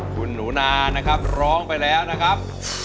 คุณหนูนานะครับร้องไปแล้วนะครับ